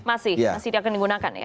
masih masih akan digunakan ya